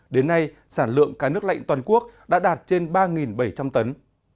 đến nay sản lượng cá nước lạnh toàn quốc đã đạt trên ba bảy trăm linh tấn